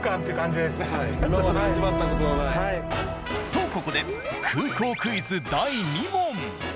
とここで空港クイズ第２問。